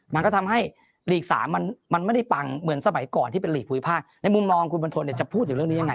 มันก็ทำให้หลีกสามมันมันไม่ได้ปังเหมือนสมัยก่อนที่เป็นหลีกภูมิภาคในมุมมองคุณบันทนเนี่ยจะพูดถึงเรื่องนี้ยังไง